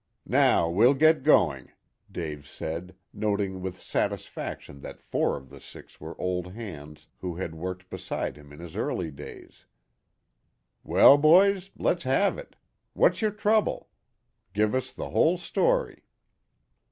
"Now we'll get doing," Dave said, noting with satisfaction that four of the six were old hands who had worked beside him in his early days. "Well, boys, let's have it. What's your trouble? Give us the whole story."